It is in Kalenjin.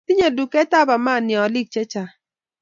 tinyei duketab Amani oliik chechang